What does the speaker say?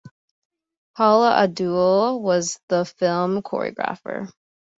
Paula Abdul was the film choreographer.